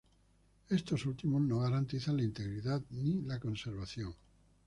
Estos últimos no garantizan la integridad ni la conservación.